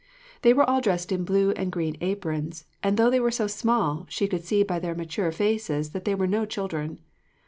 They were all dressed in blue and green aprons, and, though they were so small, she could see by their mature faces that they were no children.